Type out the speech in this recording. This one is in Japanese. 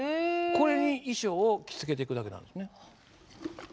これに衣装を着付けていくだけなんですね。